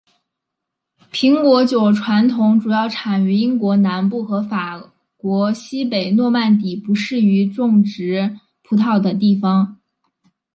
苹果酒传统主要产于英国南部和法国西北诺曼底不适宜种植葡萄的地方。